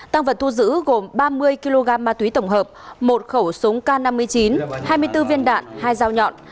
tăng vật thu giữ gồm ba mươi kg ma túy tổng hợp một khẩu súng k năm mươi chín hai mươi bốn viên đạn hai dao nhọn